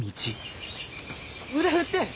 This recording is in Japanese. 腕振って！